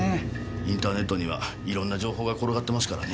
インターネットにはいろんな情報が転がってますからね。